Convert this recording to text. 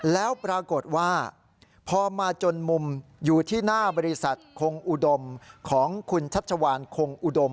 แล้วปรากฏว่าพอมาจนมุมอยู่ที่หน้าบริษัทคงอุดมของคุณชัชวานคงอุดม